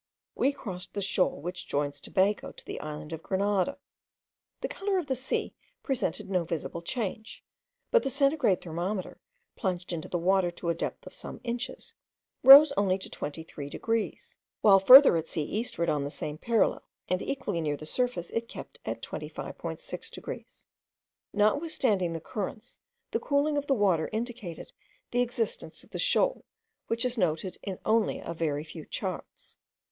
We crossed the shoal which joins Tobago to the island of Grenada. The colour of the sea presented no visible change; but the centigrade thermometer, plunged into the water to the depth of some inches, rose only to 23 degrees; while farther at sea eastward on the same parallel, and equally near the surface, it kept at 25.6 degrees. Notwithstanding the currents, the cooling of the water indicated the existence of the shoal, which is noted in only a very few charts.